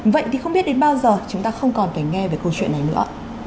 vậy thì không biết đến bao giờ chúng ta không còn phải nghe về câu chuyện này nữa